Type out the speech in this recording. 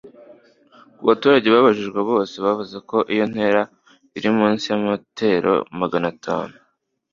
Ku baturage babajijwe bose bavuze ko iyo ntera iri munsi ya metero magana atanu